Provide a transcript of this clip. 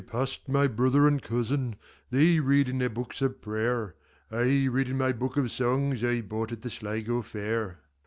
I passed my brother and cousin:They read in their books of prayer;I read in my book of songsI bought at the Sligo fair.